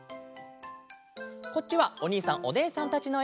こっちはおにいさんおねえさんたちのえ。